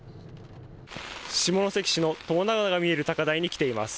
下関市の友田川が見える高台に来ています。